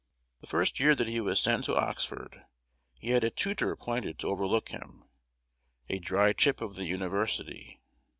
The first year that he was sent to Oxford, he had a tutor appointed to overlook him, a dry chip of the university.